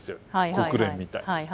国連みたいな。